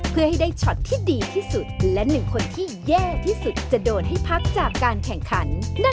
เป็นสิ่งที่กลัวให้คุณดู